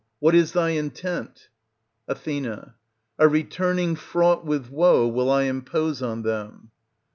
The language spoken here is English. What is thy intent? Ath. a returning fraught with woe will I impose on them.